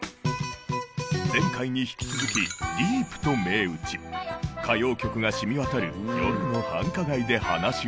前回に引き続き「ディープ」と銘打ち歌謡曲が染み渡る夜の繁華街で話を伺う事に。